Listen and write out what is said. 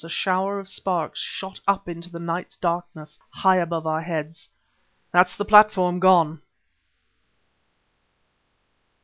A shower of sparks shot up into the night's darkness high above our heads. "That's the platform gone!"